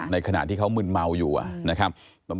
ขณะที่เขามึนเมาอยู่นะครับ